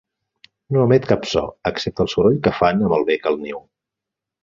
No emet cap so, excepte el soroll que fan amb el bec al niu.